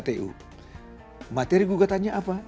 materi gugatannya apa materi gugatannya menyatakan